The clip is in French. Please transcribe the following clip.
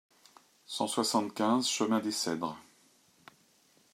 cent soixante-quinze chemin des Cedres